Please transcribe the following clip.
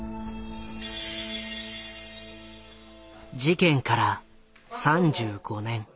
事件から３５年。